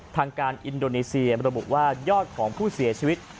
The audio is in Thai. ทางการอินโดนีเซียระบุว่ายอดของผู้เสียชีวิต